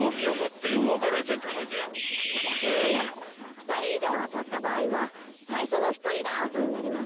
ふたりいじょうあたったばあいはさいしょのひとりがアウトになります。